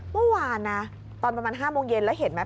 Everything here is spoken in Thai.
เมื่อวานนะตอนประมาณ๕โมงเย็นแล้วเห็นไหม